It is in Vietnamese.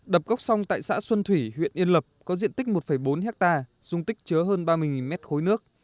đập gốc sông tại xã xuân thủy huyện yên lập có diện tích một bốn hectare dung tích chứa hơn ba mươi m ba nước